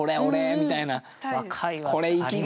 みたいな。